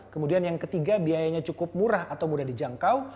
kemudian yang ketiga biayanya cukup murah atau mudah dijangkau